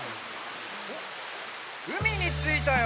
おっうみについたよ！